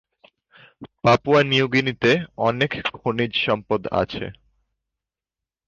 Papua New গিনিতে অনেক খনিজ সম্পদ আছে।